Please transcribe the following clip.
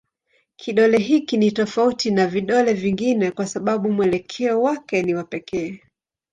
Kidole hiki ni tofauti na vidole vingine kwa sababu mwelekeo wake ni wa pekee.